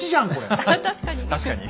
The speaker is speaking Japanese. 確かに！